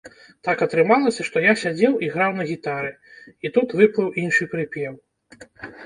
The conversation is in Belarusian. Так атрымалася, што я сядзеў і граў на гітары, і тут выплыў іншы прыпеў.